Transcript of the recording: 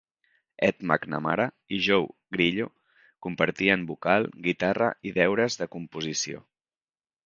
Ed McNamara i Joe Grillo compartien vocal, guitarra i deures de composició.